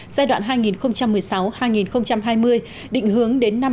giai đoạn hai nghìn một mươi sáu hai nghìn hai mươi định hướng đến năm hai nghìn ba mươi